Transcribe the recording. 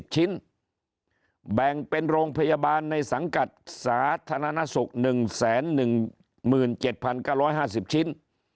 ๗ชิ้นแบ่งเป็นโรงพยาบาลในสังกัดสาธารณสุข๑๑๗๙๕๐ชิ้น